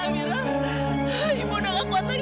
amira ibu udah gak kuat lagi amira